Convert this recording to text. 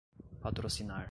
patrocinar